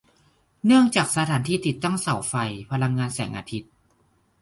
เนื่องจากสถานที่ติดตั้งเสาไฟพลังงานแสงอาทิตย์